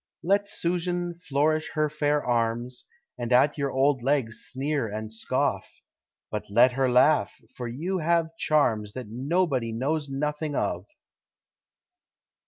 Let Susan flourish her fair arms, And at your old legs sneer and scoff, But let her laugh, for you have charms That nobody knows nothing of.